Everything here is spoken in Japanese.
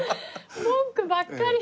文句ばっかり。